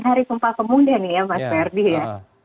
hari sumpah kemudian ya mas ferdi ya